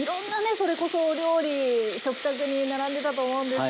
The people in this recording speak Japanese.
それこそお料理食卓に並んでたと思うんですけれども。